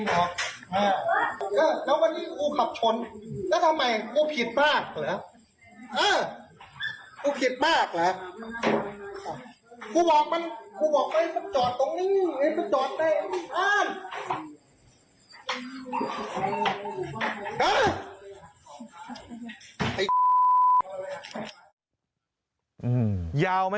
นะครับอ้าวอั๊ะแล้ววันนี้อู้ขับชนแล้วทำไมกูผิดบ้างเหรออ้าว